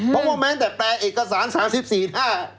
เพราะว่าแม้แต่แปลเอกสาร๓๔หน้า